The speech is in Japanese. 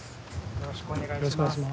よろしくお願いします。